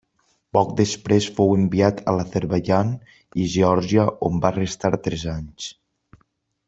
Poc després fou enviat a l'Azerbaidjan i Geòrgia on va restar tres anys.